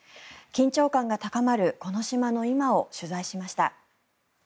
緊張感が高まるこの島の今を取材しました。